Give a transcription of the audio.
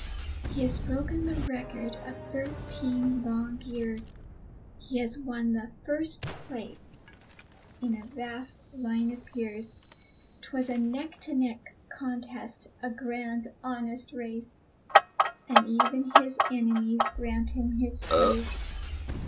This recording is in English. He has broken the record of thirteen long years; He has won the first place in a vast line of peers. 'Twas a neck to neck contest, a grand, honest race, And even his enemies grant him his place.